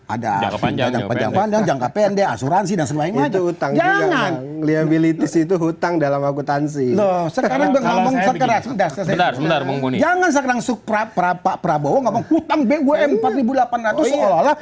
ada panjang panjang pendek asuransi dan selain itu tanggal liabilitas itu hutang dalam akuntansi